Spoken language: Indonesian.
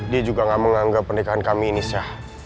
dia juga gak menganggap pernikahan kami ini sya